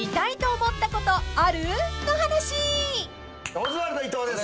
オズワルド伊藤です。